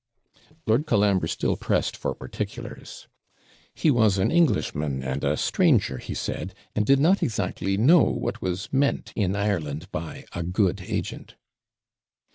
Lord Colambre still pressed for particulars; he was an Englishman, and a stranger, he said, and did not exactly know what was meant in Ireland by a good agent.